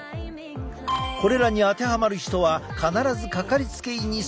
これらに当てはまる人は必ずかかりつけ医に相談してほしい。